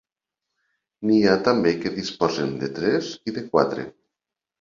N'hi ha també que disposen de tres i de quatre.